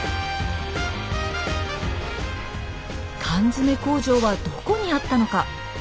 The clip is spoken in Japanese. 缶詰工場はどこにあったのか。